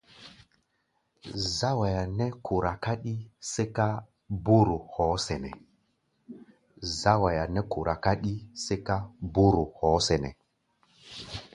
Záwaya nɛ́ kora káɗí sɛ́ká bóóro hɔá sɛnɛ́.